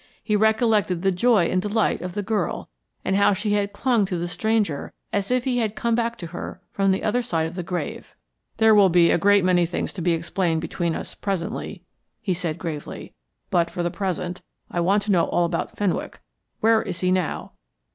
He recollected the joy and delight of the girl, and how she had clung to the stranger as if he had come back to her from the other side of the grave. "There will be a great many things to be explained between us, presently," he said, gravely. "But for the present, I want to know all about Fenwick. Where is he now?"